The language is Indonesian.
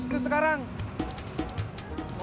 olah mikir god